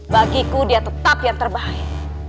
bagiku dia tetap yang terbaik